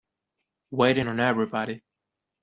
Waiting on everybody.